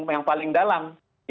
yang paling dalam